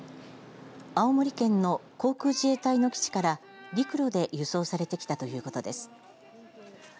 青森県の航空自衛隊の基地から陸路で輸送されてきたということです。